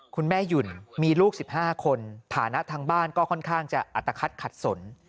คุณแม่หยุ่นมีลูก๑๕คนฐานะทางบ้านก็ค่อนข้างจะอัตภัทขัดสน